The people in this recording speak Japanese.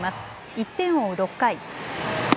１点を追う６回。